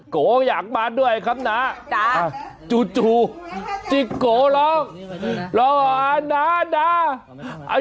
โกอยากมาด้วยครับน้าจ๊ะจู่จู่จิ๊กโกร้องรออานาดา